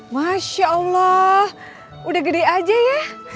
masya allah udah gede aja ya